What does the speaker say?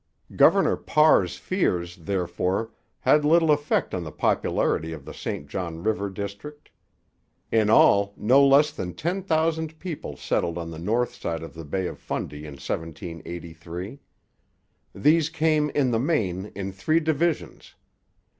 Governor Parr's fears, therefore, had little effect on the popularity of the St John river district. In all, no less than ten thousand people settled on the north side of the Bay of Fundy in 1783. These came, in the main, in three divisions.